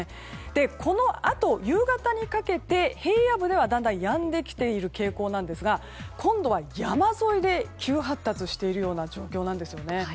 このあと、夕方にかけて平野部ではだんだんやんできている傾向なんですが今度は山沿いで急発達しているような状況なんですよね。